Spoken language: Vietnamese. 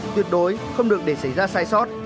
tuyệt đối không được để xảy ra sai sót